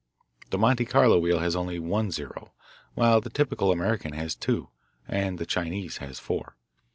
The Monte Carlo wheel has only one "0," while the typical American has two, and the Chinese has four.